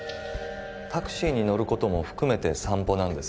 タクシーに乗ることも含めて散歩なんです